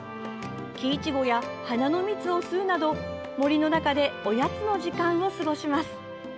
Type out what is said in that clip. キイチゴや花の蜜を吸うなど森の中でおやつの時間を過ごします。